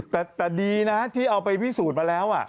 แต่ดีนะที่เอาไปพิสูจน์มาแล้ว